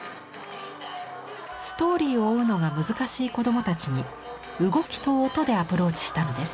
ストーリーを追うのが難しい子どもたちに「動き」と「音」でアプローチしたのです。